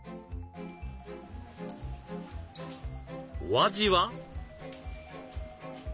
お味は？